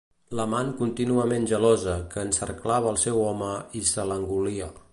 L'amant contínuament gelosa que encerclava el seu home i se l'engolia.